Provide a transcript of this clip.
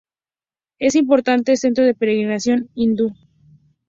Es un importante centro de peregrinación hindú.